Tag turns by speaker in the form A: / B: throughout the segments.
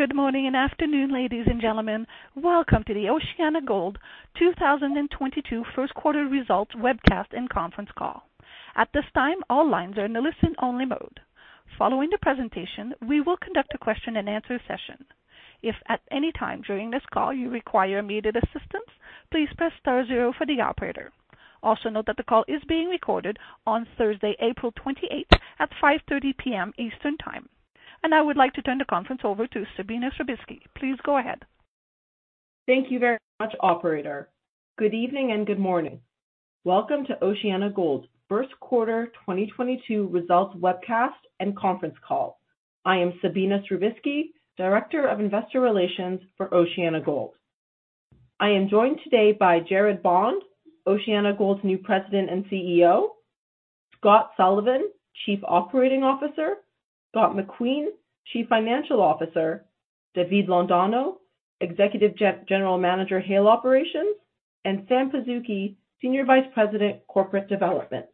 A: Good morning and afternoon, ladies and gentlemen. Welcome to the OceanaGold 2022 first quarter results webcast and conference call. At this time, all lines are in a listen-only mode. Following the presentation, we will conduct a question and answer session. If at any time during this call you require immediate assistance, please press star zero for the operator. Also note that the call is being recorded on Thursday, April 28 at 5:30 P.M. Eastern Time. I would like to turn the conference over to Sabina Srubiski. Please go ahead.
B: Thank you very much, operator. Good evening and good morning. Welcome to OceanaGold's first quarter 2022 results webcast and conference call. I am Sabina Srubiski, Director of Investor Relations for OceanaGold. I am joined today by Gerard Bond, OceanaGold's new President and CEO, Scott Sullivan, Chief Operating Officer, Scott McQueen, Chief Financial Officer, David Londono, Executive General Manager, Haile Operations, and Sam Pazuki, Senior Vice President, Corporate Development.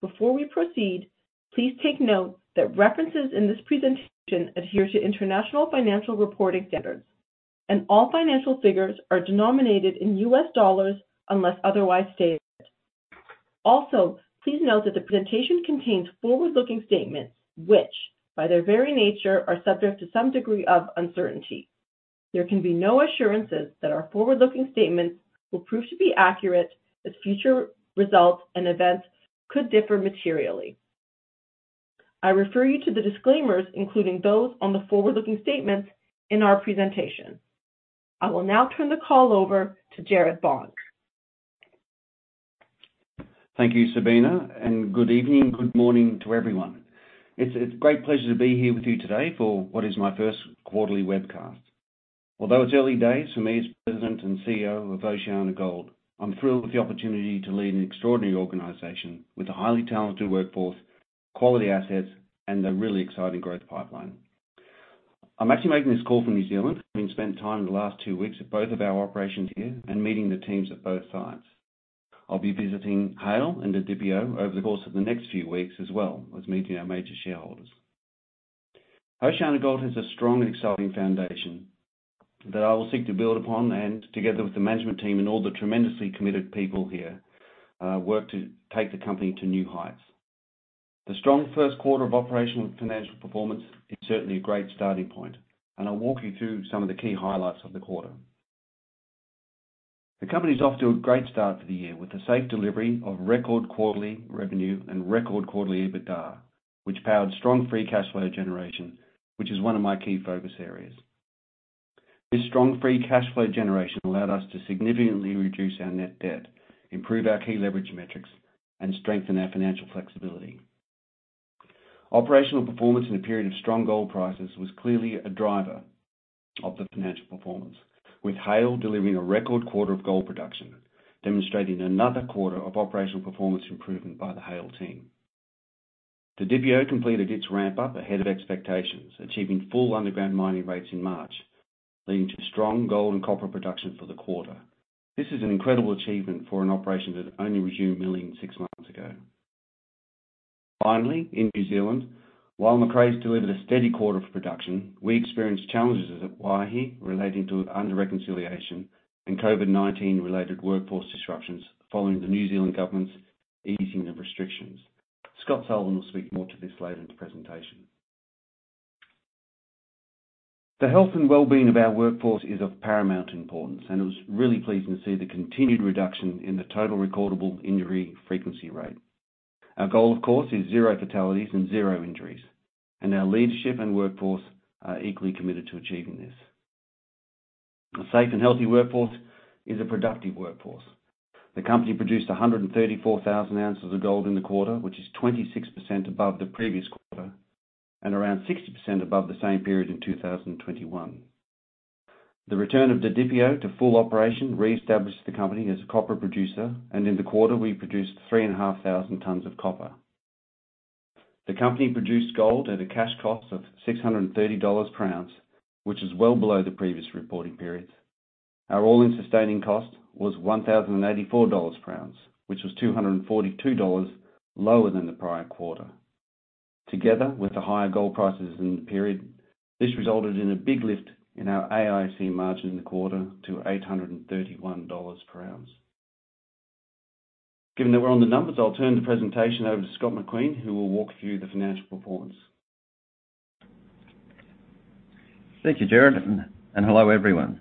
B: Before we proceed, please take note that references in this presentation adhere to international financial reporting standards, and all financial figures are denominated in US dollars unless otherwise stated. Also, please note that the presentation contains forward-looking statements which, by their very nature, are subject to some degree of uncertainty. There can be no assurances that our forward-looking statements will prove to be accurate, as future results and events could differ materially. I refer you to the disclaimers, including those on the forward-looking statements in our presentation. I will now turn the call over to Gerard Bond.
C: Thank you, Sabina, and good evening, good morning to everyone. It's a great pleasure to be here with you today for what is my first quarterly webcast. Although it's early days for me as President and CEO of OceanaGold, I'm thrilled with the opportunity to lead an extraordinary organization with a highly talented workforce, quality assets, and a really exciting growth pipeline. I'm actually making this call from New Zealand, having spent time in the last 2 weeks at both of our operations here and meeting the teams at both sites. I'll be visiting Haile and Didipio over the course of the next few weeks, as well as meeting our major shareholders. OceanaGold has a strong and exciting foundation that I will seek to build upon, and together with the management team and all the tremendously committed people here, work to take the company to new heights. The strong first quarter of operational and financial performance is certainly a great starting point, and I'll walk you through some of the key highlights of the quarter. The company's off to a great start for the year with the safe delivery of record quarterly revenue and record quarterly EBITDA, which powered strong free cash flow generation, which is one of my key focus areas. This strong free cash flow generation allowed us to significantly reduce our net debt, improve our key leverage metrics, and strengthen our financial flexibility. Operational performance in a period of strong gold prices was clearly a driver of the financial performance, with Haile delivering a record quarter of gold production, demonstrating another quarter of operational performance improvement by the Haile team. Didipio completed its ramp up ahead of expectations, achieving full underground mining rates in March, leading to strong gold and copper production for the quarter. This is an incredible achievement for an operation that only resumed milling six months ago. Finally, in New Zealand, while Macraes delivered a steady quarter of production, we experienced challenges at Waihi relating to under-reconciliation and COVID-19 related workforce disruptions following the New Zealand government's easing of restrictions. Scott Sullivan will speak more to this later in the presentation. The health and well-being of our workforce is of paramount importance, and it was really pleasing to see the continued reduction in the Total Recordable Injury Frequency Rate. Our goal, of course, is zero fatalities and zero injuries, and our leadership and workforce are equally committed to achieving this. A safe and healthy workforce is a productive workforce. The company produced 134,000 ounces of gold in the quarter, which is 26% above the previous quarter and around 60% above the same period in 2021. The return of Didipio to full operation reestablished the company as a copper producer, and in the quarter, we produced 3,500 tonnes of copper. The company produced gold at a cash cost of $630 per ounce, which is well below the previous reporting periods. Our all-in sustaining cost was $1,084 per ounce, which was $242 lower than the prior quarter. Together, with the higher gold prices in the period, this resulted in a big lift in our AISC margin in the quarter to $831 per ounce. Given that we're on the numbers, I'll turn the presentation over to Scott McQueen, who will walk through the financial performance.
D: Thank you, Gerard, and hello, everyone.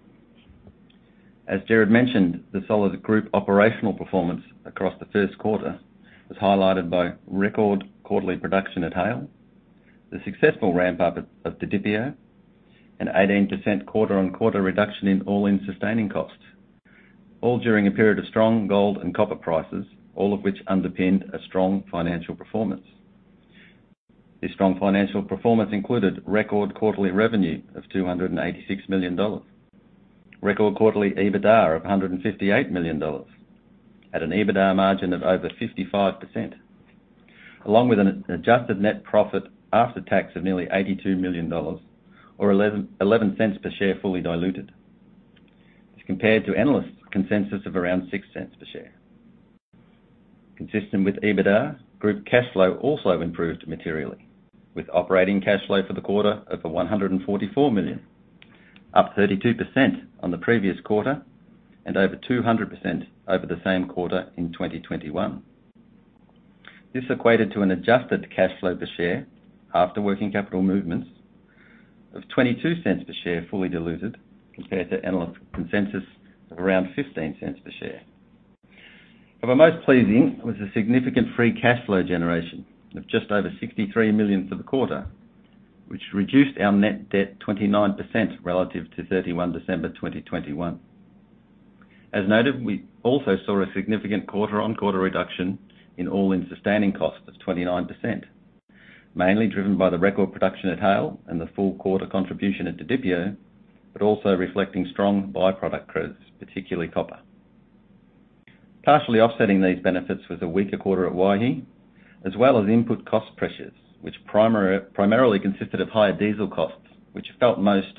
D: As Gerard mentioned, the solid group operational performance across the first quarter was highlighted by record quarterly production at Haile, the successful ramp-up of Didipio, an 18% quarter-on-quarter reduction in all-in sustaining costs, all during a period of strong gold and copper prices, all of which underpinned a strong financial performance. This strong financial performance included record quarterly revenue of $286 million, record quarterly EBITDA of $158 million at an EBITDA margin of over 55%, along with an adjusted net profit after tax of nearly $82 million or $0.11 per share fully diluted, as compared to analyst consensus of around $0.06 per share. Consistent with EBITDA, group cash flow also improved materially with operating cash flow for the quarter over $144 million, up 32% on the previous quarter and over 200% over the same quarter in 2021. This equated to an adjusted cash flow per share after working capital movements of $0.22 per share, fully diluted, compared to analyst consensus of around $0.15 per share. The most pleasing was the significant free cash flow generation of just over $63 million for the quarter, which reduced our net debt 29% relative to 31 December 2021. As noted, we also saw a significant quarter-on-quarter reduction in all-in sustaining costs of 29%, mainly driven by the record production at Haile and the full quarter contribution at Didipio, but also reflecting strong by-product credits, particularly copper. Partially offsetting these benefits was a weaker quarter at Waihi, as well as input cost pressures, which primarily consisted of higher diesel costs, which hit most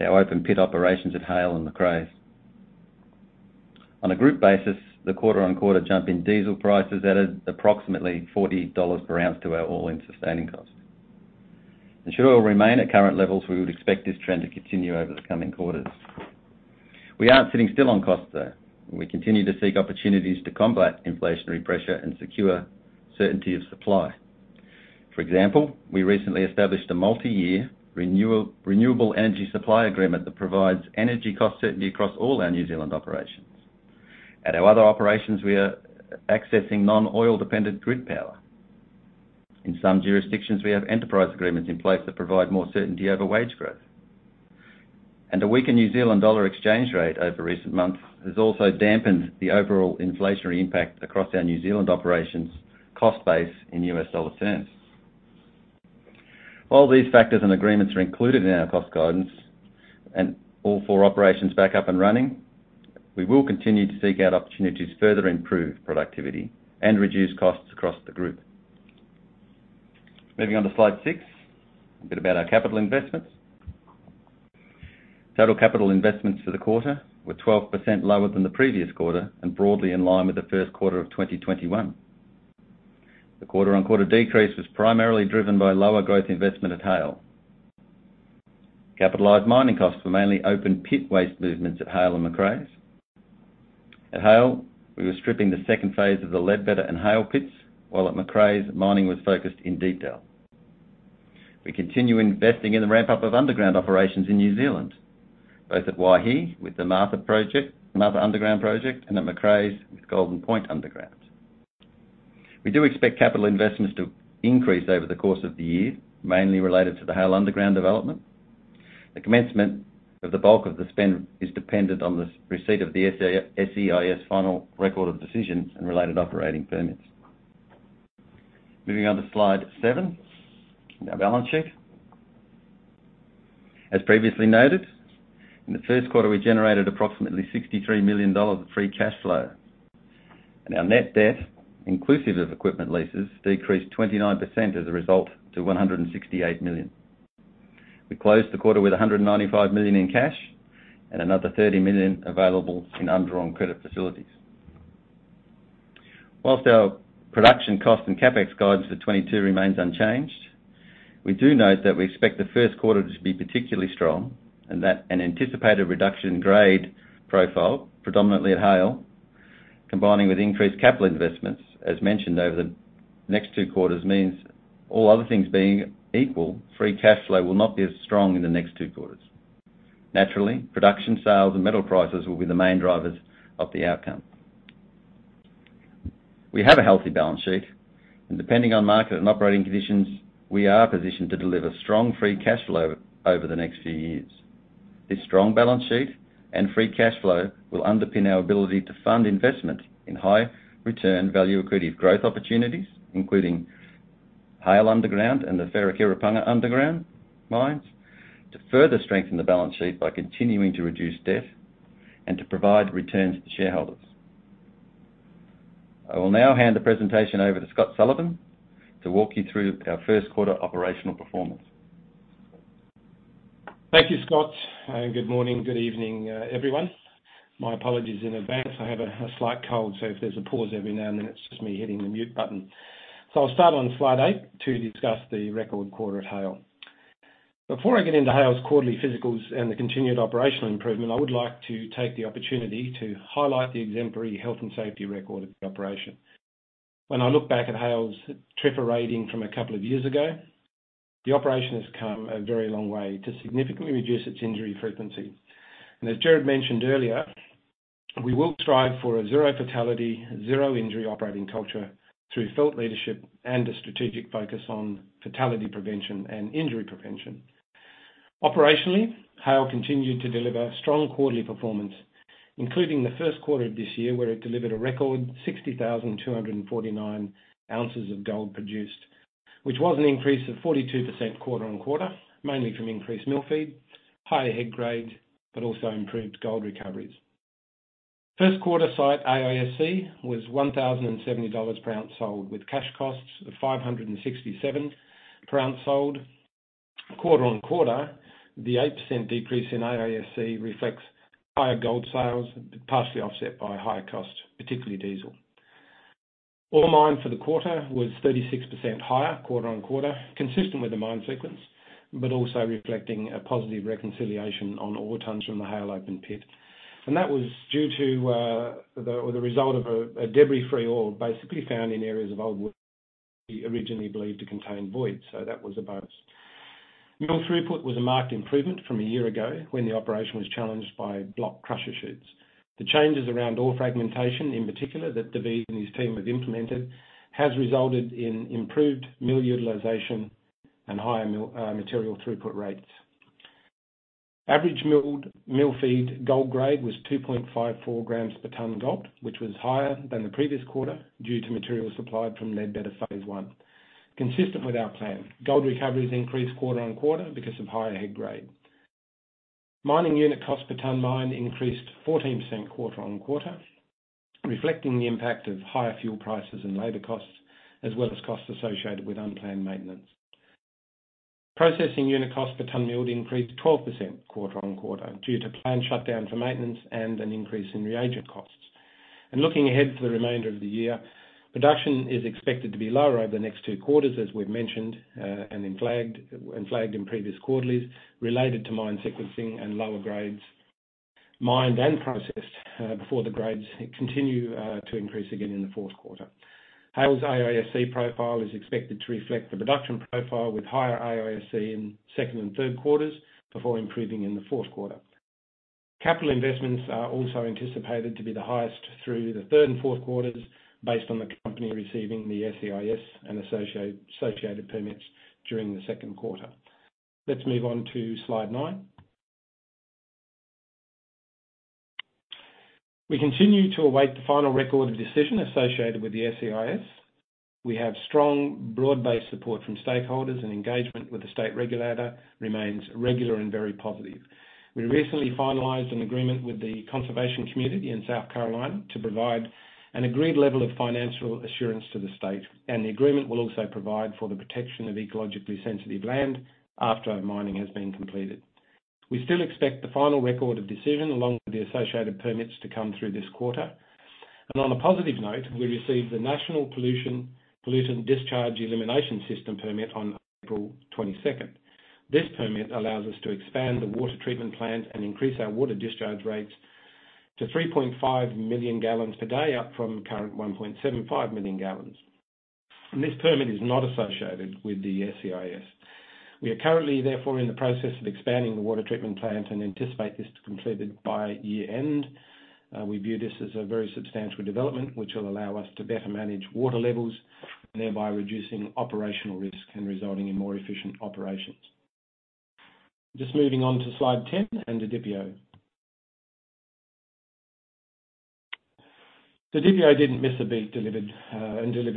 D: our open pit operations at Haile and Macraes. On a group basis, the quarter-on-quarter jump in diesel prices added approximately $40 per ounce to our all-in sustaining cost. Should oil remain at current levels, we would expect this trend to continue over the coming quarters. We aren't sitting still on costs, though. We continue to seek opportunities to combat inflationary pressure and secure certainty of supply. For example, we recently established a multi-year renewable energy supply agreement that provides energy cost certainty across all our New Zealand operations. At our other operations, we are accessing non-oil dependent grid power. In some jurisdictions, we have enterprise agreements in place that provide more certainty over wage growth. A weaker New Zealand dollar exchange rate over recent months has also dampened the overall inflationary impact across our New Zealand operations cost base in US dollar terms. While these factors and agreements are included in our cost guidance and all four operations back up and running, we will continue to seek out opportunities to further improve productivity and reduce costs across the group. Moving on to slide six, a bit about our capital investments. Total capital investments for the quarter were 12% lower than the previous quarter and broadly in line with the first quarter of 2021. The quarter-on-quarter decrease was primarily driven by lower growth investment at Haile. Capitalized mining costs were mainly open pit waste movements at Haile and Macraes. At Haile, we were stripping the second phase of the Ledbetter and Haile pits, while at Macraes, mining was focused in Deepdell. We continue investing in the ramp-up of underground operations in New Zealand, both at Waihi with the Martha project, Martha Underground project, and at Macraes with Golden Point Underground. We do expect capital investments to increase over the course of the year, mainly related to the Haile underground development. The commencement of the bulk of the spend is dependent on the receipt of the SEIS final record of decisions and related operating permits. Moving on to slide seven, our balance sheet. As previously noted, in the first quarter, we generated approximately $63 million of free cash flow. Our net debt, inclusive of equipment leases, decreased 29% as a result to $168 million. We closed the quarter with $195 million in cash and another $30 million available in undrawn credit facilities. While our production cost and CapEx guidance for 2022 remains unchanged, we do note that we expect the first quarter to be particularly strong and that an anticipated reduction in grade profile, predominantly at Haile, combining with increased capital investments, as mentioned, over the next 2Q means all other things being equal, free cash flow will not be as strong in the next 2Q. Naturally, production sales and metal prices will be the main drivers of the outcome. We have a healthy balance sheet, and depending on market and operating conditions, we are positioned to deliver strong free cash flow over the next few years. This strong balance sheet and free cash flow will underpin our ability to fund investment in high return value accretive growth opportunities, including Haile Underground and the Wharekirauponga underground mines, to further strengthen the balance sheet by continuing to reduce debt and to provide returns to shareholders. I will now hand the presentation over to Scott Sullivan to walk you through our first quarter operational performance.
E: Thank you, Scott. Good morning, good evening, everyone. My apologies in advance. I have a slight cold, so if there's a pause every now and then, it's just me hitting the mute button. I'll start on slide 8 to discuss the record quarter at Haile. Before I get into Haile's quarterly physicals and the continued operational improvement, I would like to take the opportunity to highlight the exemplary health and safety record of the operation. When I look back at Haile's TRIFR from a couple of years ago, the operation has come a very long way to significantly reduce its injury frequency. As Gerard mentioned earlier, we will strive for a zero fatality, zero injury operating culture through felt leadership and a strategic focus on fatality prevention and injury prevention. Operationally, Haile continued to deliver strong quarterly performance, including the first quarter of this year, where it delivered a record 60,249 ounces of gold produced, which was an increase of 42% quarter-on-quarter, mainly from increased mill feed, higher head grade, but also improved gold recoveries. First quarter site AISC was $1,070 per ounce sold with cash costs of $567 per ounce sold. Quarter-on-quarter, the 8% decrease in AISC reflects higher gold sales, partially offset by higher cost, particularly diesel. Ore mined for the quarter was 36% higher quarter-on-quarter, consistent with the mine sequence, but also reflecting a positive reconciliation on ore tonnes from the Haile open pit. That was due to the result of a debris-free ore, basically found in areas originally believed to contain voids, so that was a bonus. Mill throughput was a marked improvement from a year ago, when the operation was challenged by blocked crusher chutes. The changes around ore fragmentation, in particular that David and his team have implemented, has resulted in improved mill utilization and higher mill material throughput rates. Average mill feed gold grade was 2.54 grams per ton gold, which was higher than the previous quarter due to material supplied from Ledbetter phase one. Consistent with our plan, gold recovery has increased quarter-on-quarter because of higher head grade. Mining unit cost per ton mined increased 14% quarter-on-quarter, reflecting the impact of higher fuel prices and labor costs, as well as costs associated with unplanned maintenance. Processing unit cost per ton milled increased 12% quarter-on-quarter due to plant shutdown for maintenance and an increase in reagent costs. Looking ahead to the remainder of the year, production is expected to be lower over the next two quarters, as we've mentioned and then flagged in previous quarterlies, related to mine sequencing and lower grades mined and processed, before the grades continue to increase again in the fourth quarter. Haile's AISC profile is expected to reflect the production profile with higher AISC in second and third quarters before improving in the fourth quarter. Capital investments are also anticipated to be the highest through the third and fourth quarters based on the company receiving the SEIS and associated permits during the second quarter. Let's move on to slide 9. We continue to await the final record of decision associated with the SEIS. We have strong, broad-based support from stakeholders, and engagement with the state regulator remains regular and very positive. We recently finalized an agreement with the conservation community in South Carolina to provide an agreed level of financial assurance to the state, and the agreement will also provide for the protection of ecologically sensitive land after our mining has been completed. We still expect the final record of decision along with the associated permits to come through this quarter. On a positive note, we received the National Pollutant Discharge Elimination System permit on April 22. This permit allows us to expand the water treatment plant and increase our water discharge rates to 3.5 million gallons per day, up from current 1.75 million gallons. This permit is not associated with the SEIS. We are currently, therefore, in the process of expanding the water treatment plant and anticipate this to be completed by year-end. We view this as a very substantial development, which will allow us to better manage water levels, thereby reducing operational risk and resulting in more efficient operations. Just moving on to slide 10 and Didipio. Didipio didn't miss a beat, delivered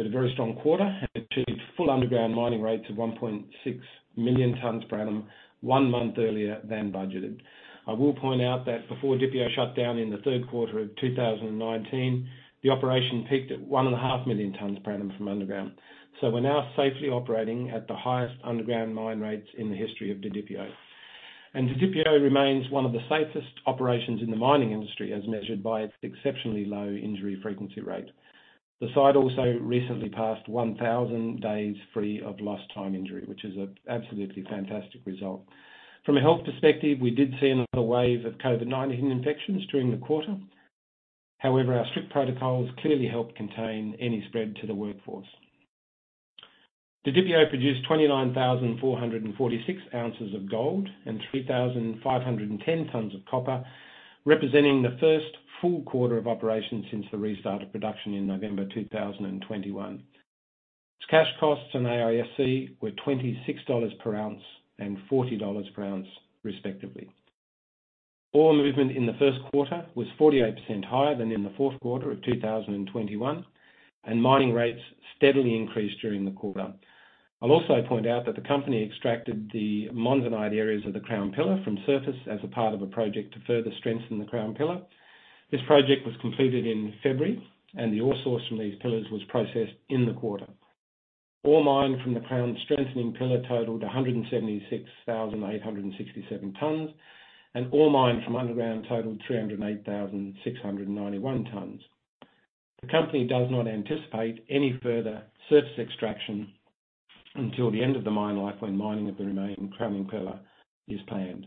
E: a very strong quarter. It achieved full underground mining rates of 1.6 million tons per annum one month earlier than budgeted. I will point out that before Didipio shut down in the third quarter of 2019, the operation peaked at 1.5 million tons per annum from underground. We're now safely operating at the highest underground mine rates in the history of Didipio. Didipio remains one of the safest operations in the mining industry, as measured by its exceptionally low injury frequency rate. The site also recently passed 1,000 days free of lost time injury, which is an absolutely fantastic result. From a health perspective, we did see another wave of COVID-19 infections during the quarter. However, our strict protocols clearly helped contain any spread to the workforce. Didipio produced 29,446 ounces of gold and 3,510 tons of copper, representing the first full quarter of operation since the restart of production in November 2021. Its cash costs and AISC were $26 per ounce and $40 per ounce, respectively. Ore movement in the first quarter was 48% higher than in the fourth quarter of 2021, and mining rates steadily increased during the quarter. I'll also point out that the company extracted the monzonite areas of the crown pillar from surface as a part of a project to further strengthen the crown pillar. This project was completed in February, and the ore source from these pillars was processed in the quarter. Ore mined from the crown pillar totaled 176,867 tons, and ore mined from underground totaled 308,691 tonnes. The company does not anticipate any further surface extraction until the end of the mine life, when mining of the remaining crown pillar is planned.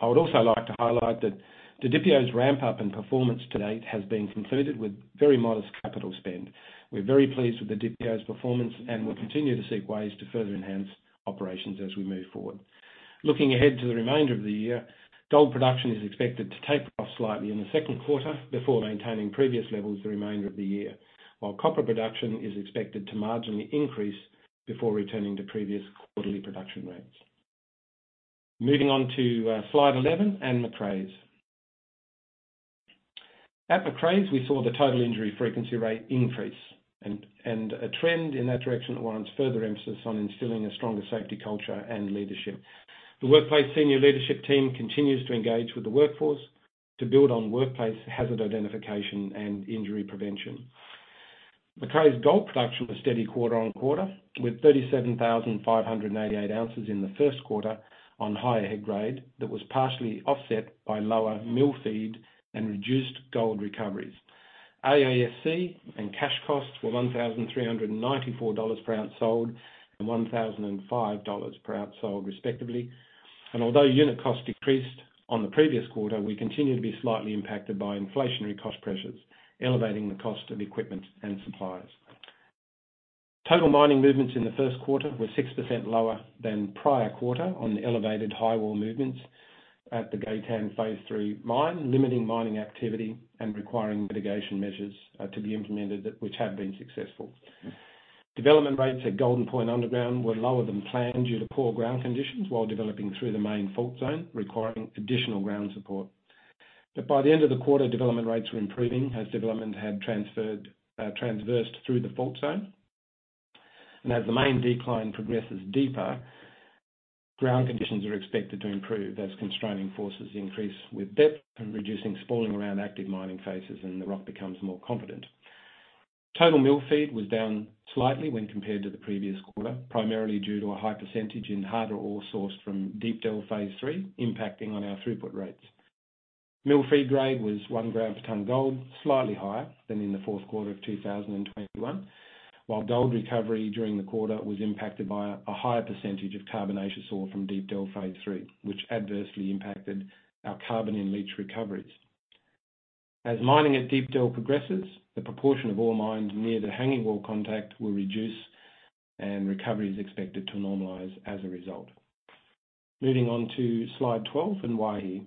E: I would also like to highlight that Didipio's ramp up and performance to date has been concluded with very modest capital spend. We're very pleased with Didipio's performance and will continue to seek ways to further enhance operations as we move forward. Looking ahead to the remainder of the year, gold production is expected to taper off slightly in the second quarter before maintaining previous levels the remainder of the year. While copper production is expected to marginally increase before returning to previous quarterly production rates. Moving on to Slide 11 and Macraes. At Macraes, we saw the total injury frequency rate increase and a trend in that direction warrants further emphasis on instilling a stronger safety culture and leadership. The workplace senior leadership team continues to engage with the workforce. To build on workplace hazard identification and injury prevention. Macraes gold production was steady quarter-on-quarter, with 37,588 ounces in the first quarter on higher head grade that was partially offset by lower mill feed and reduced gold recoveries. AISC and cash costs were $1,394 per ounce sold, and $1,005 per ounce sold respectively. Although unit cost decreased on the previous quarter, we continue to be slightly impacted by inflationary cost pressures, elevating the cost of equipment and suppliers. Total mining movements in the first quarter were 6% lower than prior quarter on the elevated highwall movements at the Frasers phase three mine, limiting mining activity and requiring mitigation measures to be implemented, which have been successful. Development rates at Golden Point underground were lower than planned due to poor ground conditions while developing through the main fault zone, requiring additional ground support. By the end of the quarter, development rates were improving as development had traversed through the fault zone. As the main decline progresses deeper, ground conditions are expected to improve as constraining forces increase with depth and reducing spalling around active mining phases and the rock becomes more competent. Total mill feed was down slightly when compared to the previous quarter, primarily due to a high percentage in harder ore sourced from Deepdell phase III, impacting on our throughput rates. Mill feed grade was 1 gram per tonne gold, slightly higher than in the fourth quarter of 2021. While gold recovery during the quarter was impacted by a higher percentage of carbonaceous ore from Deepdell phase three, which adversely impacted our carbon-in-leach recoveries. As mining at Deepdell progresses, the proportion of ore mined near the hanging wall contact will reduce, and recovery is expected to normalize as a result. Moving on to slide 12 in Waihi.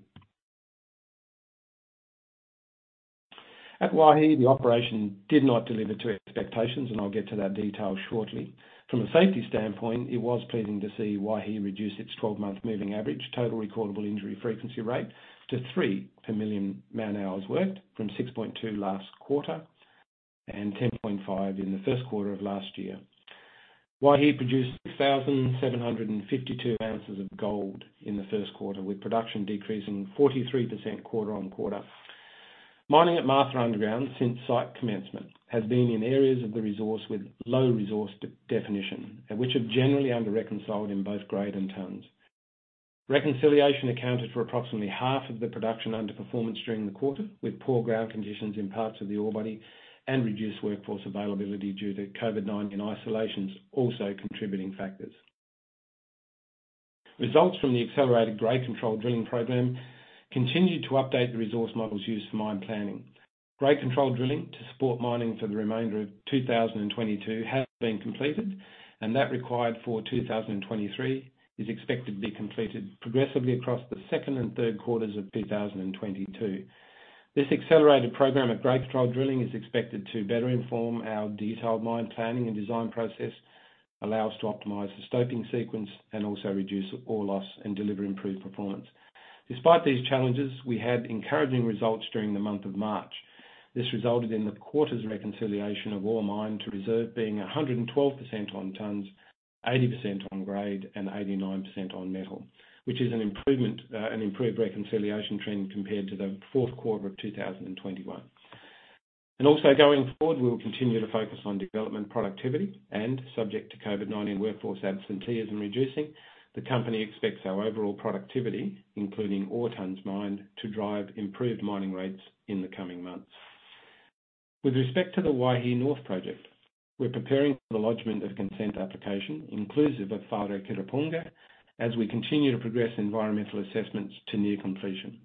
E: At Waihi, the operation did not deliver to expectations, and I'll get to that detail shortly. From a safety standpoint, it was pleasing to see Waihi reduce its 12-month moving average Total Recordable Injury Frequency Rate to 3 per million man-hours worked from 6.2 last quarter and 10.5 in the first quarter of last year. Waihi produced 6,752 ounces of gold in the first quarter, with production decreasing 43% quarter-on-quarter. Mining at Martha Underground since site commencement has been in areas of the resource with low resource definition and which are generally under-reconciled in both grade and tonnes. Reconciliation accounted for approximately half of the production underperformance during the quarter, with poor ground conditions in parts of the ore body and reduced workforce availability due to COVID-19 isolations also contributing factors. Results from the accelerated grade control drilling program continued to update the resource models used for mine planning. Grade control drilling to support mining for the remainder of 2022 has been completed, and that required for 2023 is expected to be completed progressively across the second and third quarters of 2022. This accelerated program of grade control drilling is expected to better inform our detailed mine planning and design process, allow us to optimize the stoping sequence, and also reduce ore loss and deliver improved performance. Despite these challenges, we had encouraging results during the month of March. This resulted in the quarter's reconciliation of ore mined to reserve being 112% on tonnes, 80% on grade, and 89% on metal, which is an improvement, an improved reconciliation trend compared to the fourth quarter of 2021. Also going forward, we will continue to focus on development productivity and subject to COVID-19 workforce absentees and reducing, the company expects our overall productivity, including ore tons mined, to drive improved mining rates in the coming months. With respect to the Waihi North project, we're preparing for the lodgment of consent application, inclusive of Wharekirauponga, as we continue to progress environmental assessments to near completion.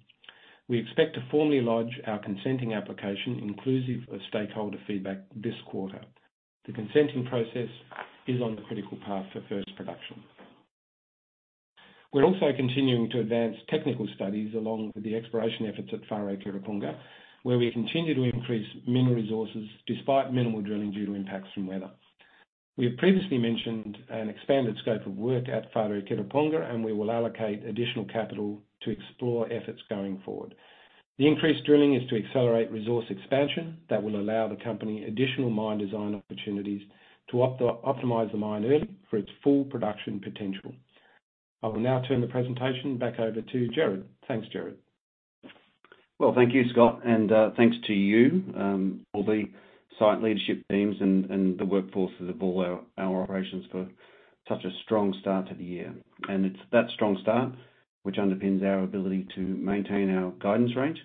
E: We expect to formally lodge our consenting application, inclusive of stakeholder feedback this quarter. The consenting process is on the critical path for first production. We're also continuing to advance technical studies along with the exploration efforts at Wharekirauponga, where we continue to increase mineral resources despite minimal drilling due to impacts from weather. We have previously mentioned an expanded scope of work at Wharekirauponga, and we will allocate additional capital to exploration efforts going forward. The increased drilling is to accelerate resource expansion that will allow the company additional mine design opportunities to optimize the mine early for its full production potential. I will now turn the presentation back over to Gerard. Thanks, Gerard.
C: Well, thank you, Scott. Thanks to you all the site leadership teams and the workforces of all our operations for such a strong start to the year. It's that strong start which underpins our ability to maintain our guidance range.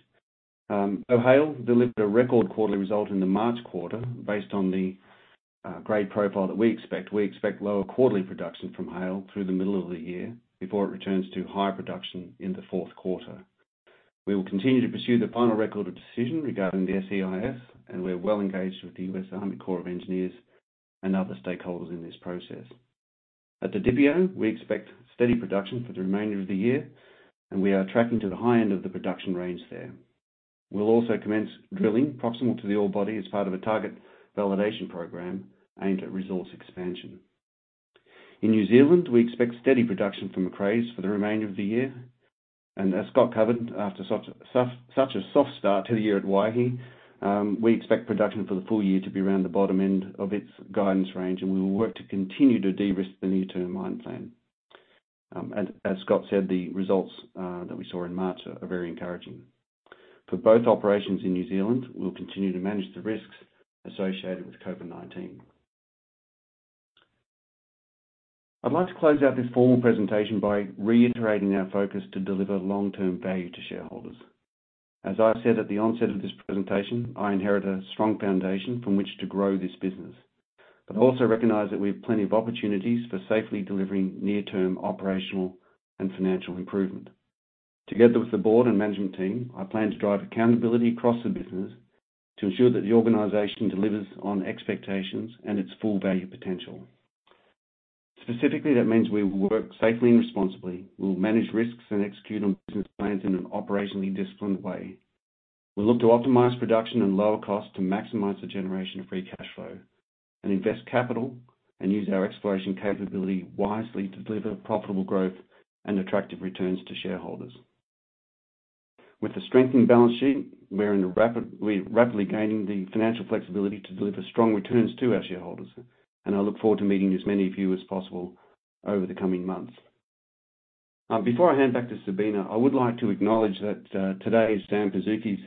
C: Haile delivered a record quarterly result in the March quarter based on the grade profile that we expect. We expect lower quarterly production from Haile through the middle of the year before it returns to higher production in the fourth quarter. We will continue to pursue the final record of decision regarding the SEIS, and we're well engaged with the US Army Corps of Engineers and other stakeholders in this process. At the Didipio, we expect steady production for the remainder of the year, and we are tracking to the high end of the production range there. We'll also commence drilling proximal to the ore body as part of a target validation program aimed at resource expansion. In New Zealand, we expect steady production from Macraes for the remainder of the year. As Scott covered, after such a soft start to the year at Waihi, we expect production for the full year to be around the bottom end of its guidance range, and we will work to continue to de-risk the near-term mine plan. As Scott said, the results that we saw in March are very encouraging. For both operations in New Zealand, we'll continue to manage the risks associated with COVID-19. I'd like to close out this formal presentation by reiterating our focus to deliver long-term value to shareholders. As I said at the onset of this presentation, I inherited a strong foundation from which to grow this business, but also recognize that we have plenty of opportunities for safely delivering near-term operational and financial improvement. Together with the board and management team, I plan to drive accountability across the business to ensure that the organization delivers on expectations and its full value potential. Specifically, that means we will work safely and responsibly. We'll manage risks and execute on business plans in an operationally disciplined way. We'll look to optimize production and lower costs to maximize the generation of free cash flow and invest capital and use our exploration capability wisely to deliver profitable growth and attractive returns to shareholders. With a strengthened balance sheet, we're rapidly gaining the financial flexibility to deliver strong returns to our shareholders, and I look forward to meeting as many of you as possible over the coming months. Before I hand back to Sabina, I would like to acknowledge that today is Sam Pazuki's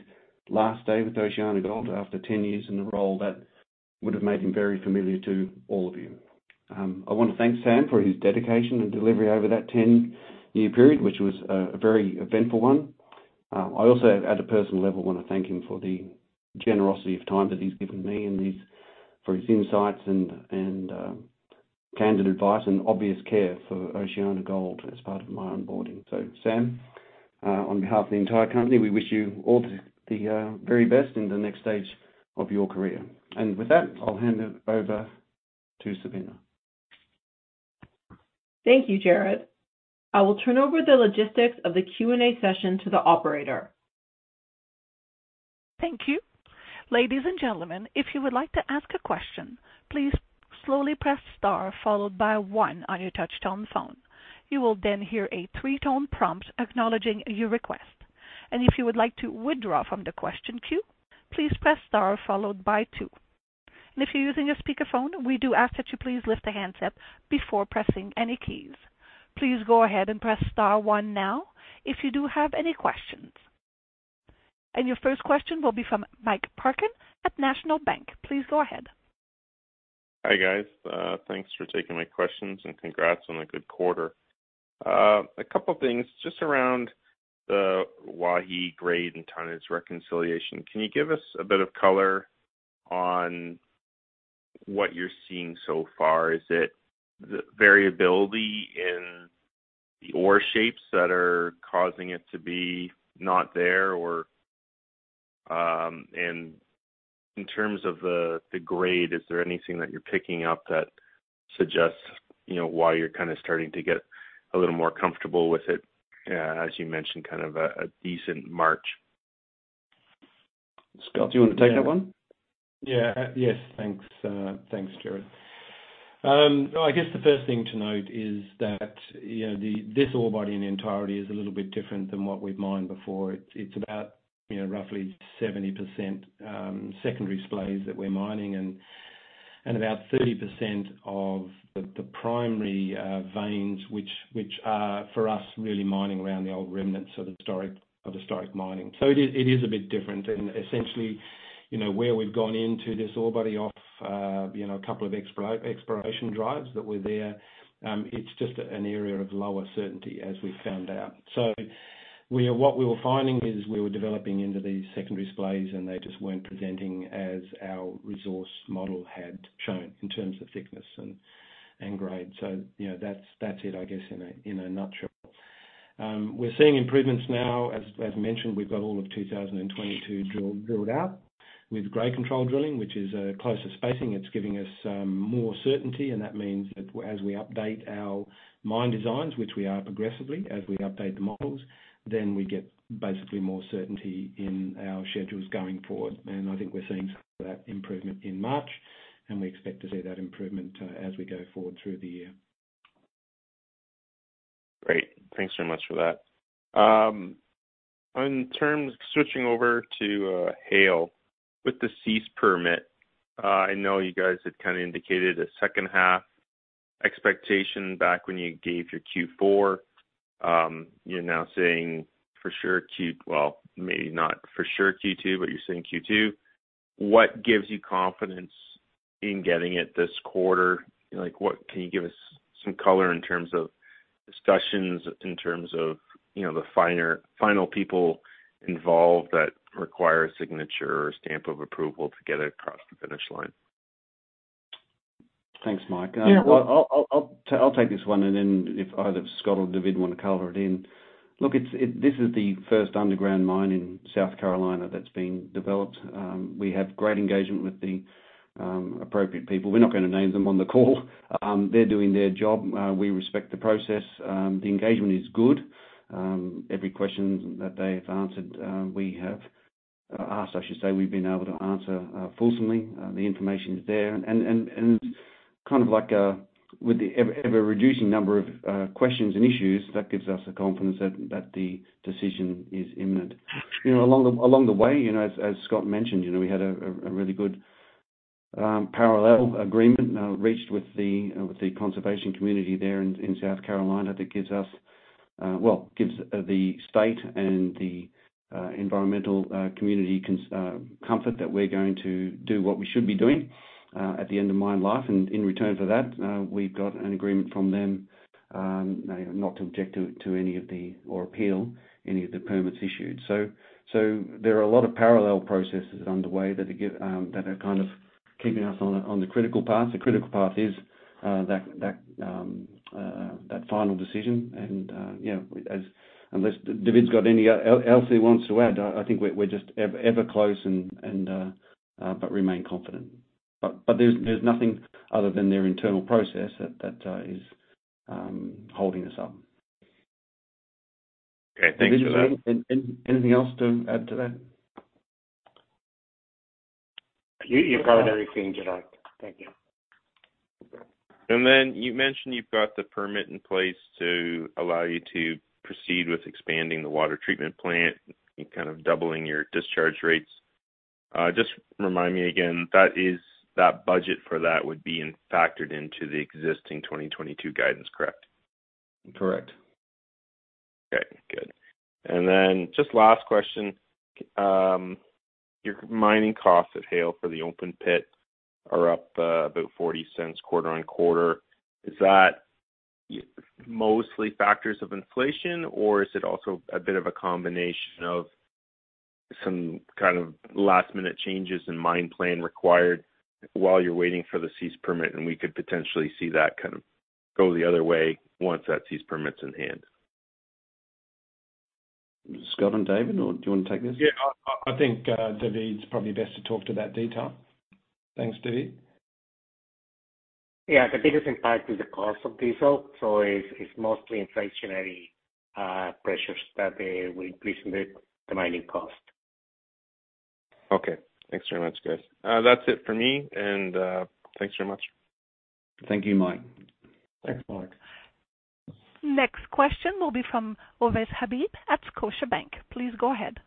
C: last day with OceanaGold after 10 years in the role that would have made him very familiar to all of you. I want to thank Sam for his dedication and delivery over that 10-year period, which was a very eventful one. I also, at a personal level, wanna thank him for the generosity of time that he's given me and for his insights and candid advice and obvious care for OceanaGold as part of my onboarding. Sam, on behalf of the entire company, we wish you all the very best in the next stage of your career. With that, I'll hand it over to Sabina.
B: Thank you, Gerard. I will turn over the logistics of the Q&A session to the operator.
A: Thank you. Ladies and gentlemen, if you would like to ask a question, please slowly press star followed by one on your touchtone phone. You will then hear a three-tone prompt acknowledging your request. If you would like to withdraw from the question queue, please press star followed by two. If you're using a speakerphone, we do ask that you please lift the handset before pressing any keys. Please go ahead and press star one now if you do have any questions. Your first question will be from Mike Parkin at National Bank Financial. Please go ahead.
F: Hi, guys. Thanks for taking my questions, and congrats on a good quarter. A couple of things just around the Waihi grade and tonnage reconciliation. Can you give us a bit of color on what you're seeing so far? Is it the variability in the ore shapes that are causing it to be not there? Or, in terms of the grade, is there anything that you're picking up that suggests, you know, why you're kinda starting to get a little more comfortable with it? As you mentioned, kind of a decent March.
C: Scott, do you wanna take that one?
E: Yeah. Yes, thanks. Thanks, Gerard. I guess the first thing to note is that, you know, this ore body in entirety is a little bit different than what we've mined before. It's about, you know, roughly 70% secondary splays that we're mining and about 30% of the primary veins, which are, for us, really mining around the old remnants of historic mining. It is a bit different. Essentially, you know, where we've gone into this ore body off a couple of exploration drives that were there, it's just an area of lower certainty as we found out. What we were finding is we were developing into these secondary splays, and they just weren't presenting as our resource model had shown in terms of thickness and grade. You know, that's it, I guess, in a nutshell. We're seeing improvements now. As mentioned, we've got all of 2022 drilled out with grade control drilling, which is closer spacing. It's giving us more certainty, and that means that as we update our mine designs, which we are progressively as we update the models, then we get basically more certainty in our schedules going forward. I think we're seeing some of that improvement in March, and we expect to see that improvement as we go forward through the year.
F: Great. Thanks so much for that. In terms of switching over to Haile with the SEIS permit, I know you guys had kinda indicated a second half expectation back when you gave your Q4. You're now saying for sure, well, maybe not for sure Q2, but you're saying Q2. What gives you confidence in getting it this quarter? Like, what can you give us some color in terms of discussions, in terms of, you know, the finer, final people involved that require a signature or stamp of approval to get it across the finish line?
C: Thanks, Mike.
B: Yeah.
C: Well, I'll take this one, and then if either Scott or David wanna color it in. Look, this is the first underground mine in South Carolina that's been developed. We have great engagement with the appropriate people. We're not gonna name them on the call. They're doing their job. We respect the process. The engagement is good. Every question that they've answered, we have asked, I should say, we've been able to answer fulsomely. The information is there. Kind of like with the ever-reducing number of questions and issues, that gives us the confidence that the decision is imminent. You know, along the way, you know, as Scott mentioned, you know, we had a really good parallel agreement reached with the conservation community there in South Carolina that gives us well gives the state and the environmental community comfort that we're going to do what we should be doing at the end of mine life. In return for that, we've got an agreement from them not to object to or appeal any of the permits issued. There are a lot of parallel processes underway that are kind of keeping us on the critical path. The critical path is that final decision. You know, as Unless David's got anything else he wants to add, I think we're just ever closer, but remain confident. There's nothing other than their internal process that is holding us up.
F: Okay. Thanks for that.
C: David, anything else to add to that?
G: You've got everything, Gerard. Thank you.
F: You mentioned you've got the permit in place to allow you to proceed with expanding the water treatment plant and kind of doubling your discharge rates. Just remind me again, that is, that budget for that would be factored into the existing 2022 guidance, correct?
C: Correct.
F: Okay, good. Then just last question. Your mining costs at Haile for the open pit are up about $0.40 quarter-on-quarter. Is that mostly factors of inflation, or is it also a bit of a combination of some kind of last-minute changes in mine plan required while you're waiting for the SEIS permit, and we could potentially see that kind of go the other way once that SEIS permit's in hand?
C: Scott and David, or do you want to take this?
E: Yeah, I think David's probably best to talk to that detail. Thanks, David.
G: Yeah, the biggest impact is the cost of diesel, so it's mostly inflationary pressures that we increase in the mining cost.
F: Okay. Thanks very much, guys. That's it for me, and thanks very much.
C: Thank you, Mike.
E: Thanks, Mike.
A: Next question will be from Ovais Habib at Scotiabank. Please go ahead.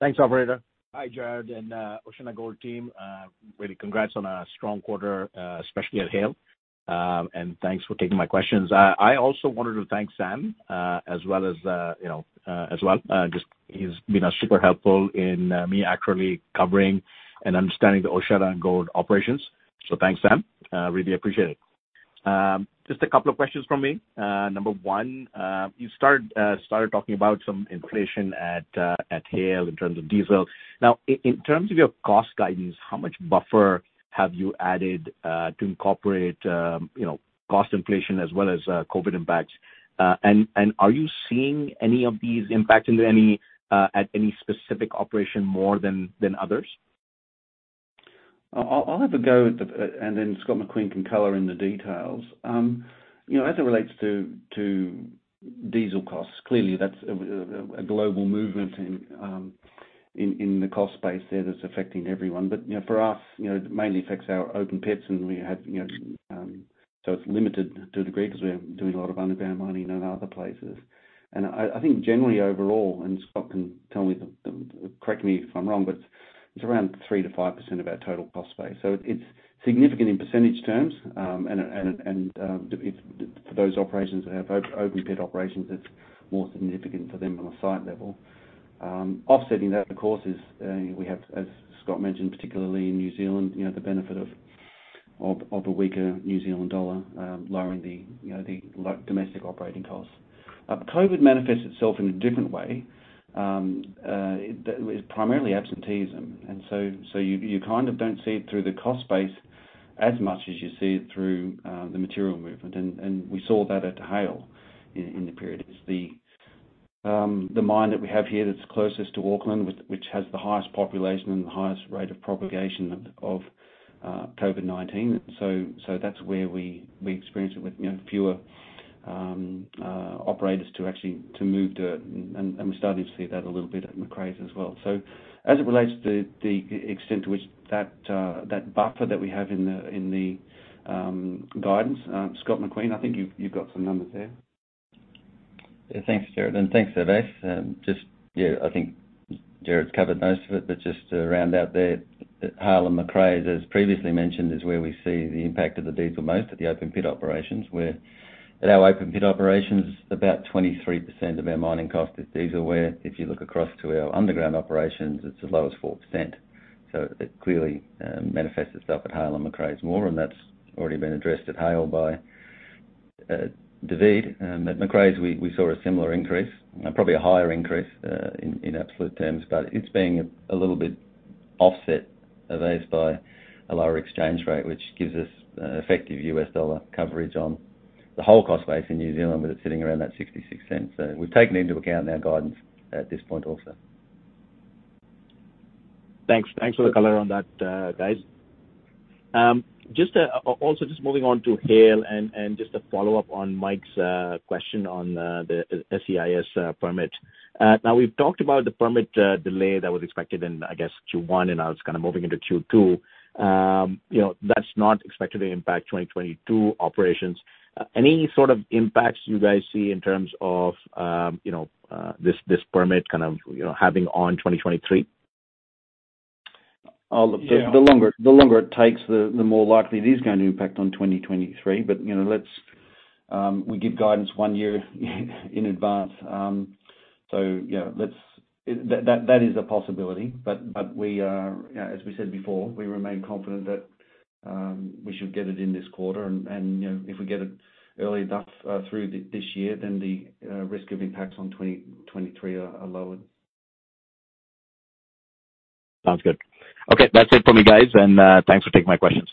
H: Thanks, operator. Hi, Gerard and, OceanaGold team. Really congrats on a strong quarter, especially at Haile. Thanks for taking my questions. I also wanted to thank Sam, as well as, you know, as well. Just he's been super helpful in me accurately covering and understanding the OceanaGold operations. So thanks, Sam. Really appreciate it. Just a couple of questions from me. Number one, you started talking about some inflation at Haile in terms of diesel. Now, in terms of your cost guidance, how much buffer have you added to incorporate, you know, cost inflation as well as, COVID impacts? And are you seeing any of these impacting any at any specific operation more than others?
C: I'll have a go at the. Then Scott McQueen can color in the details. As it relates to diesel costs, clearly that's a global movement in the cost base there that's affecting everyone. For us, it mainly affects our open pits, so it's limited to a degree because we're doing a lot of underground mining in other places. I think generally overall, Scott can tell me, correct me if I'm wrong, but it's around 3%-5% of our total cost base. It's significant in percentage terms. It's for those operations that have open pit operations. It's more significant for them on a site level. Offsetting that, of course, is we have, as Scott mentioned, particularly in New Zealand, you know, the benefit of a weaker New Zealand dollar, lowering you know, the domestic operating costs. COVID manifests itself in a different way. It's primarily absenteeism. You kind of don't see it through the cost base as much as you see it through the material movement. We saw that at Haile in the period. It's the mine that we have here that's closest to Auckland, which has the highest population and the highest rate of propagation of COVID-19. That's where we experience it with you know, fewer operators to actually move dirt. We're starting to see that a little bit at Macraes as well. As it relates to the extent to which that buffer that we have in the guidance, Scott McQueen, I think you've got some numbers there.
D: Yeah. Thanks, Gerard, and thanks, Ovais. Just, yeah, I think Gerard's covered most of it, but just to round out there, Haile and Macraes, as previously mentioned, is where we see the impact of the diesel most at the open pit operations, where at our open pit operations, about 23% of our mining cost is diesel, where if you look across to our underground operations, it's as low as 4%. It clearly manifests itself at Haile and Macraes more, and that's already been addressed at Haile by David. At Macraes, we saw a similar increase, probably a higher increase, in absolute terms, but it's being a little bit offset by a lower exchange rate, which gives us effective US dollar coverage on the whole cost base in New Zealand, but it's sitting around $0.66. We've taken into account in our guidance at this point also.
H: Thanks. Thanks for the color on that, guys. Just moving on to Haile and just a follow-up on Mike's question on the SEIS permit. Now we've talked about the permit delay that was expected in, I guess, Q1, and now it's kind of moving into Q2. You know, that's not expected to impact 2022 operations. Any sort of impacts you guys see in terms of, you know, this permit kind of having on 2023?
C: The longer it takes, the more likely it is gonna impact on 2023. You know, we give guidance one year in advance. That is a possibility. We are, you know, as we said before, we remain confident that we should get it in this quarter. You know, if we get it early enough through this year, then the risk of impacts on 2023 are lowered.
E: Sounds good. Okay, that's it for me, guys. Thanks for taking my questions.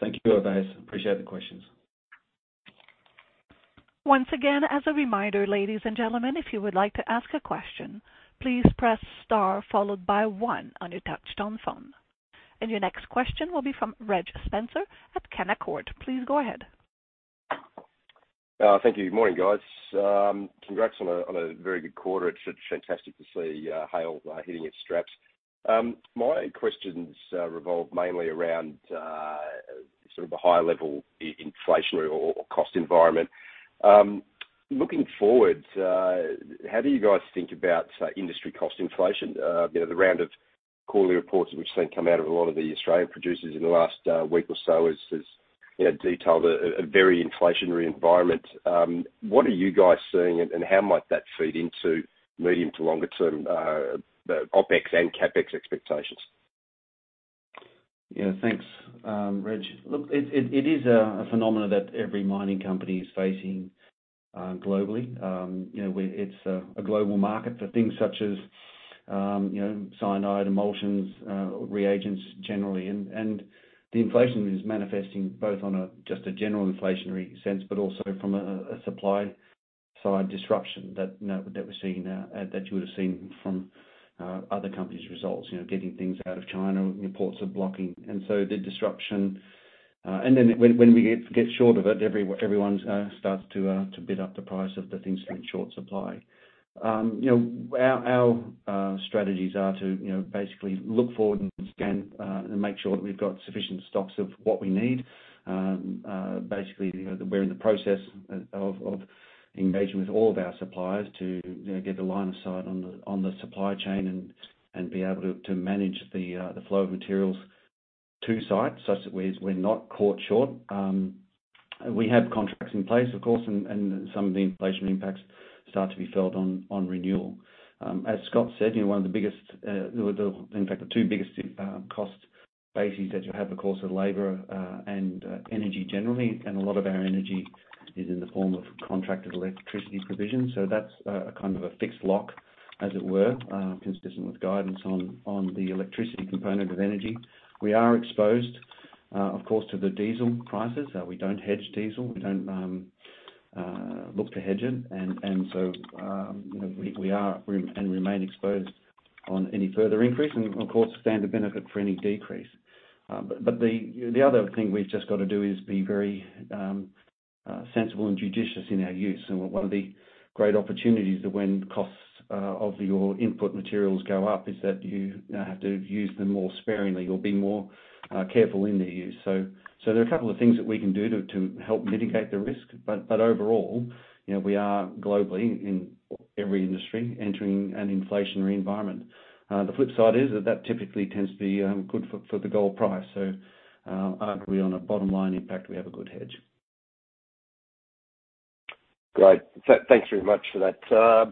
C: Thank you, Ovais. Appreciate the questions.
A: Once again, as a reminder, ladies and gentlemen, if you would like to ask a question, please press star followed by one on your touchtone phone. Your next question will be from Reg Spencer at Canaccord Genuity. Please go ahead.
I: Thank you. Morning, guys. Congrats on a very good quarter. It's fantastic to see Haile hitting its straps. My questions revolve mainly around sort of the high level inflation rate or cost environment. Looking forward, how do you guys think about industry cost inflation? You know, the round of quarterly reports that we've seen come out of a lot of the Australian producers in the last week or so has detailed a very inflationary environment. What are you guys seeing and how might that feed into medium to longer term the OpEx and CapEx expectations?
C: Yeah. Thanks, Reg. Look, it is a phenomenon that every mining company is facing globally. It's a global market for things such as, you know, cyanide emulsions, reagents generally. The inflation is manifesting both in just a general inflationary sense, but also from a supply-side disruption that, you know, that we're seeing now, that you would've seen from other companies' results. You know, getting things out of China, reports of blocking. The disruption. When we get short of it, everyone starts to bid up the price of the things that are in short supply. You know, our strategies are to, you know, basically look forward and scan, and make sure that we've got sufficient stocks of what we need. Basically, you know, we're in the process of engaging with all of our suppliers to, you know, get a line of sight on the supply chain and be able to manage the flow of materials to sites such that we're not caught short. We have contracts in place, of course, and some of the inflation impacts start to be felt on renewal. As Scott said, you know, one of the biggest, well in fact, the two biggest cost bases that you have of course are labor and energy generally. A lot of our energy is in the form of contracted electricity provision, so that's a kind of fixed lock, as it were, consistent with guidance on the electricity component of energy. We are exposed, of course, to the diesel prices. We don't hedge diesel. We don't look to hedge it. You know, we remain exposed on any further increase and of course stand to benefit for any decrease. The other thing we've just gotta do is be very sensible and judicious in our use. One of the great opportunities that when costs of your input materials go up is that you know, have to use them more sparingly or be more careful in their use. There are a couple of things that we can do to help mitigate the risk. Overall, you know, we are globally in every industry entering an inflationary environment. The flip side is that typically tends to be good for the gold price. Arguably on a bottom line impact, we have a good hedge.
I: Great. Thanks very much for that.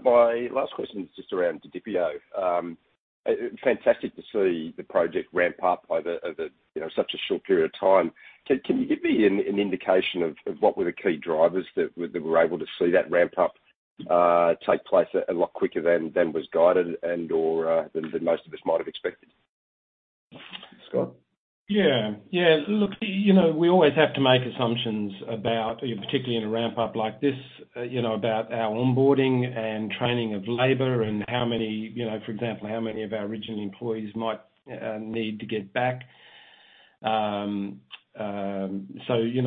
I: My last question is just around Didipio. Fantastic to see the project ramp up over, you know, such a short period of time. Can you give me an indication of what were the key drivers that we're able to see that ramp up take place a lot quicker than was guided and/or than most of us might have expected?
C: Scott?
E: Look, you know, we always have to make assumptions about, you know, particularly in a ramp up like this, you know, about our onboarding and training of labor and how many, you know, for example, how many of our original employees might need to get back.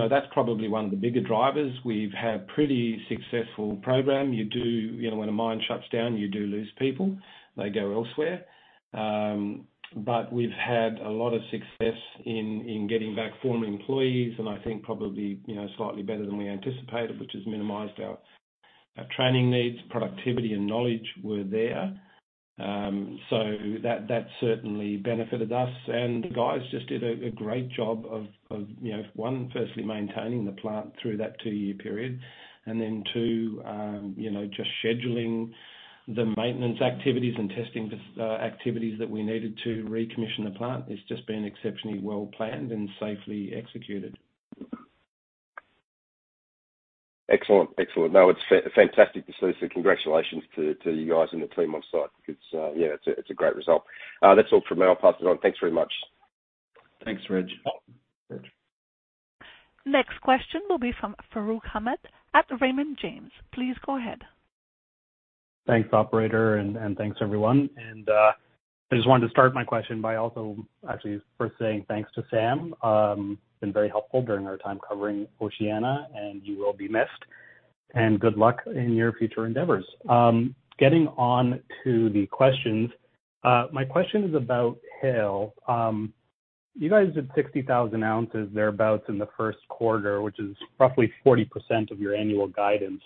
E: That's probably one of the bigger drivers. We've had pretty successful program. You know, when a mine shuts down, you do lose people. They go elsewhere. We've had a lot of success in getting back former employees and I think probably, you know, slightly better than we anticipated, which has minimized our training needs. Productivity and knowledge were there. That certainly benefited us. The guys just did a great job of, you know, firstly maintaining the plant through that two-year period. Too, you know, just scheduling the maintenance activities and testing the activities that we needed to recommission the plant. It's just been exceptionally well-planned and safely executed.
I: Excellent. No, it's fantastic to see, so congratulations to you guys and the team on site. It's, yeah, it's a great result. That's all from me. I'll pass it on. Thanks very much.
E: Thanks, Reg.
C: Bye, Reg.
A: Next question will be from Fahad Tariq at Raymond James. Please go ahead.
J: Thanks, operator, and thanks, everyone. I just wanted to start my question by also actually first saying thanks to Sam. Been very helpful during our time covering OceanaGold, and you will be missed. Good luck in your future endeavors. Getting on to the questions. My question is about Haile. You guys did 60,000 ounces thereabouts in the first quarter, which is roughly 40% of your annual guidance.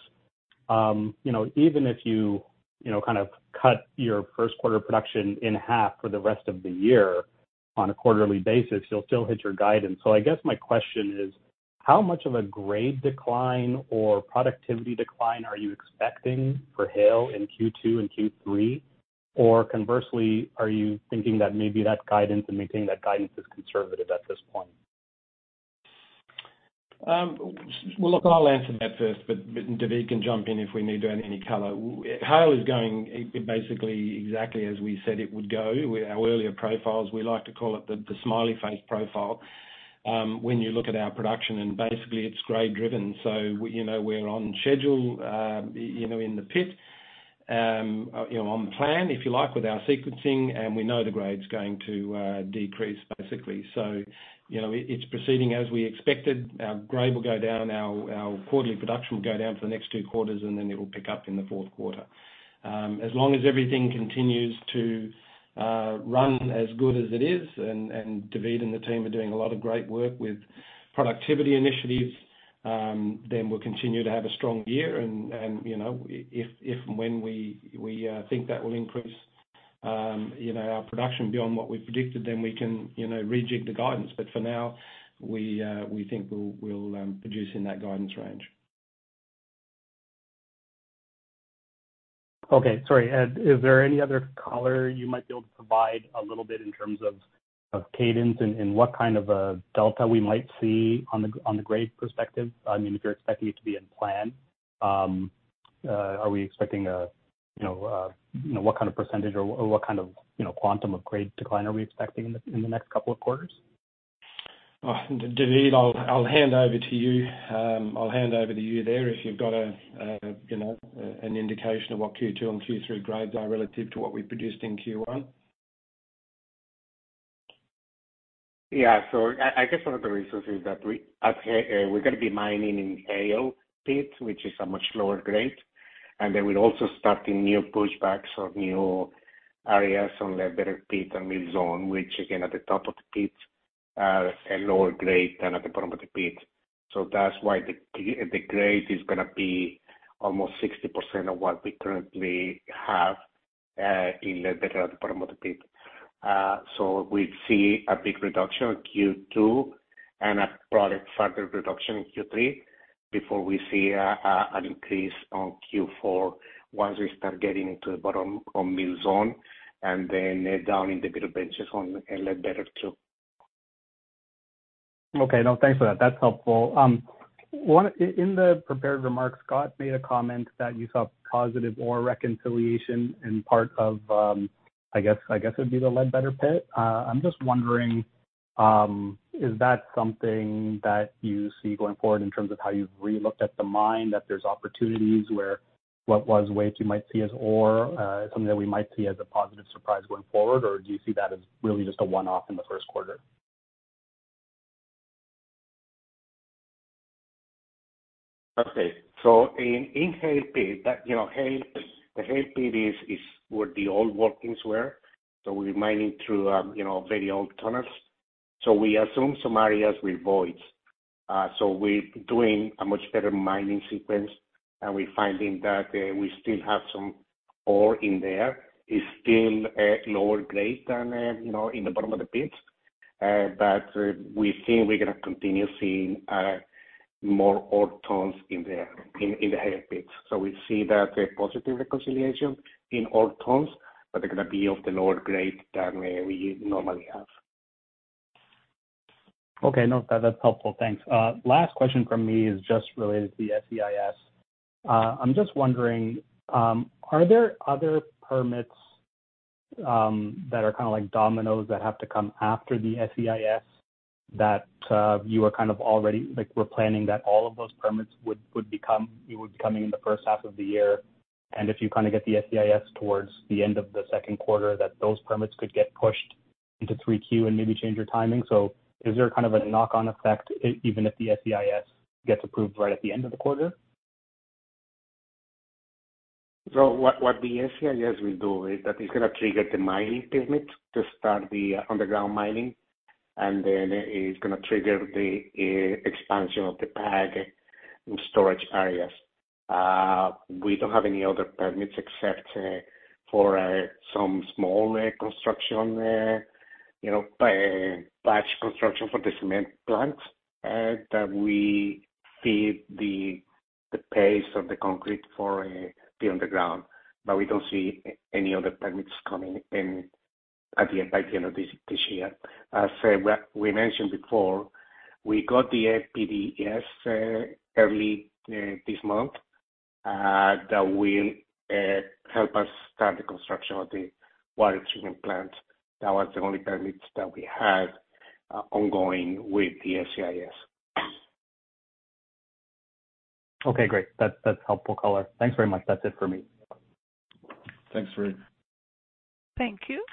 J: You know, even if you kind of cut your first quarter production in half for the rest of the year on a quarterly basis, you'll still hit your guidance. I guess my question is, how much of a grade decline or productivity decline are you expecting for Haile in Q2 and Q3? Or conversely, are you thinking that maybe that guidance and maintaining that guidance is conservative at this point?
E: Well, look, I'll answer that first, but David can jump in if we need to add any color. Haile is going basically exactly as we said it would go. With our earlier profiles, we like to call it the smiley face profile. When you look at our production and basically it's grade-driven. You know we're on schedule, you know, in the pit, you know, on plan, if you like, with our sequencing, and we know the grade's going to decrease basically. You know, it's proceeding as we expected. Our grade will go down, our quarterly production will go down for the next two quarters, and then it will pick up in the fourth quarter. As long as everything continues to run as good as it is, and David and the team are doing a lot of great work with productivity initiatives, then we'll continue to have a strong year. And you know, if and when we think that will increase our production beyond what we predicted, then we can, you know, rejig the guidance. But for now, we think we'll produce in that guidance range.
J: Okay. Sorry. Is there any other color you might be able to provide a little bit in terms of cadence and what kind of a delta we might see on the grade perspective? I mean, if you're expecting it to be in plan, are we expecting, you know, what kind of percentage or what kind of quantum of grade decline are we expecting in the next couple of quarters?
E: David, I'll hand over to you if you've got, you know, an indication of what Q2 and Q3 grades are relative to what we produced in Q1.
G: I guess one of the reasons is that we're gonna be mining in Haile pit, which is a much lower grade. Then we're also starting new pushbacks of new areas on Ledbetter pit and Mill Zone, which again, at the top of the pit, a lower grade than at the bottom of the pit. That's why the grade is gonna be almost 60% of what we currently have in Ledbetter at the bottom of the pit. We see a big reduction in Q2 and a further reduction in Q3 before we see an increase on Q4 once we start getting to the bottom of Mill Zone and then down in the benches on Ledbetter too.
J: Okay. No, thanks for that. That's helpful. In the prepared remarks, Scott made a comment that you saw positive ore reconciliation in part of, I guess it would be the Ledbetter pit. I'm just wondering, is that something that you see going forward in terms of how you've re-looked at the mine, that there's opportunities where what was waste you might see as ore, something that we might see as a positive surprise going forward? Or do you see that as really just a one-off in the first quarter?
G: Okay. In Haile pit, you know, the Haile pit is where the old workings were. We're mining through, you know, very old tunnels. We assume some areas with voids. We're doing a much better mining sequence, and we're finding that we still have some ore in there. It's still lower grade than, you know, in the bottom of the pit. But we think we're gonna continue seeing more ore tons in the Haile pit. We see that a positive reconciliation in ore tons, but they're gonna be of the lower grade than we normally have.
J: Okay. No, that's helpful. Thanks. Last question from me is just related to the SEIS. I'm just wondering, are there other permits that are kinda like dominoes that have to come after the SEIS that you were planning that all of those permits would be coming in the first half of the year, and if you kinda get the SEIS towards the end of the second quarter, that those permits could get pushed into Q3 and maybe change your timing. Is there kind of a knock-on effect even if the SEIS gets approved right at the end of the quarter?
G: What the SEIS will do is that it's gonna trigger the mining permit to start the underground mining, and then it's gonna trigger the expansion of the backfill and storage areas. We don't have any other permits except for some small batch construction for the cement plant that we feed the paste of the concrete for the underground. We don't see any other permits coming in at the end, by the end of this year. As we mentioned before, we got the NPDES early this month that will help us start the construction of the water treatment plant. That was the only permits that we have ongoing with the SEIS.
J: Okay, great. That's helpful color. Thanks very much. That's it for me.
E: Thanks, Fahad.
A: Thank you.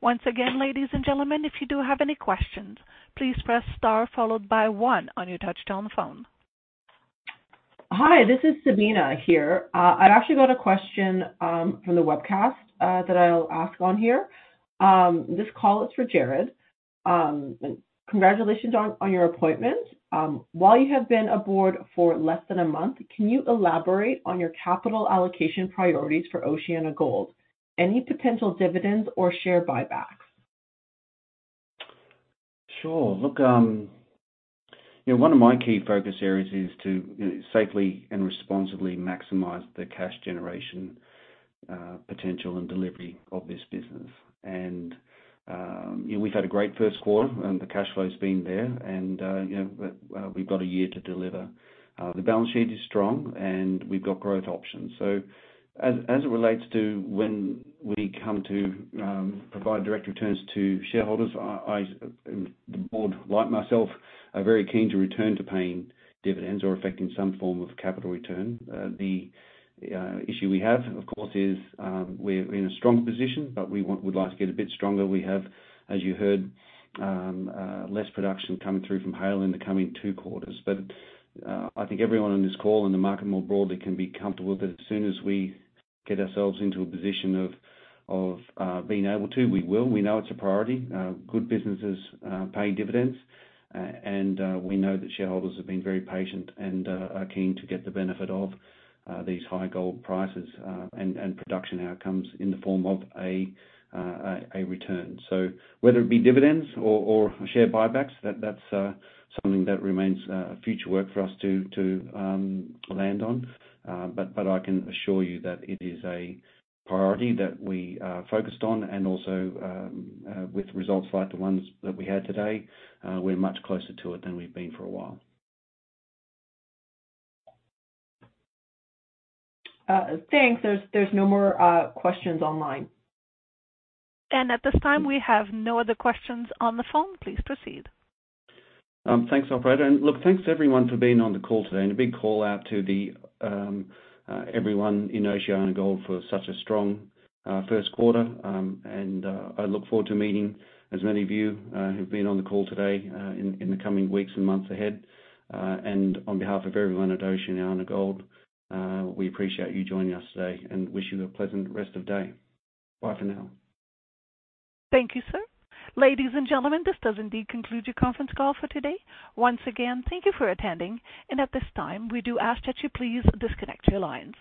A: Once again, ladies and gentlemen, if you do have any questions, please press star followed by one on your touch-tone phone.
B: Hi, this is Sabina here. I've actually got a question from the webcast that I'll ask on here. This call is for Gerard. Congratulations on your appointment. While you have been on board for less than a month, can you elaborate on your capital allocation priorities for OceanaGold? Any potential dividends or share buybacks?
C: Sure. Look, you know, one of my key focus areas is to, you know, safely and responsibly maximize the cash generation potential and delivery of this business. You know, we've had a great first quarter and the cash flow's been there, and, you know, we've got a year to deliver. The balance sheet is strong, and we've got growth options. As it relates to when we come to provide direct returns to shareholders, the board, like myself, are very keen to return to paying dividends or effecting some form of capital return. The issue we have, of course, is we're in a strong position, but we would like to get a bit stronger. We have, as you heard, less production coming through from Haile in the coming two quarters. I think everyone on this call in the market, more broadly, can be comfortable that as soon as we get ourselves into a position of being able to, we will. We know it's a priority. Good businesses pay dividends. We know that shareholders have been very patient and are keen to get the benefit of these high gold prices and production outcomes in the form of a return. Whether it be dividends or share buybacks, that's something that remains future work for us to land on. I can assure you that it is a priority that we are focused on and also, with results like the ones that we had today, we're much closer to it than we've been for a while.
B: Thanks. There's no more questions online.
A: At this time, we have no other questions on the phone. Please proceed.
C: Thanks, operator. Look, thanks everyone for being on the call today. A big call-out to everyone in OceanaGold for such a strong first quarter. I look forward to meeting as many of you who've been on the call today in the coming weeks and months ahead. On behalf of everyone at OceanaGold, we appreciate you joining us today and wish you a pleasant rest of day. Bye for now.
A: Thank you, sir. Ladies and gentlemen, this does indeed conclude your conference call for today. Once again, thank you for attending. At this time, we do ask that you please disconnect your lines.